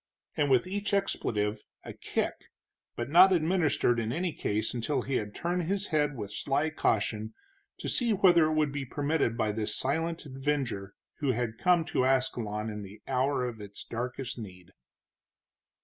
And with each expletive a kick, but not administered in any case until he had turned his head with sly caution to see whether it would be permitted by this silent avenger who had come to Ascalon in the hour of its darkest need.